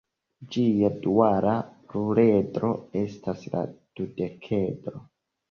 Ĝia duala pluredro estas la dudekedro.